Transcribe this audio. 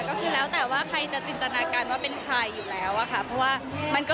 ก็คือแล้วแต่ว่าใครจะจินตนาการว่าเป็นใครอยู่แล้วค่ะ